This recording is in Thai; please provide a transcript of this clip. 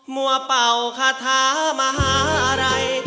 มัวเป่าคาท้ามหาลัย